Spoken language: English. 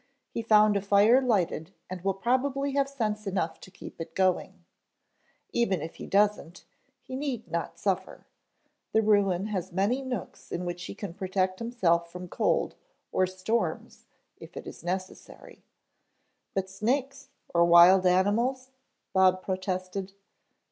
He found a fire lighted and will probably have sense enough to keep it going. Even if he doesn't, he need not suffer. The ruin has many nooks in which he can protect himself from cold or storms if it is necessary " "But snakes, or wild animals " Bob protested.